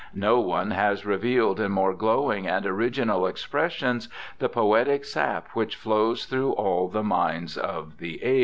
No one has revealed in more glowing and original expressions the poetic sap which flows through all the minds of the age.'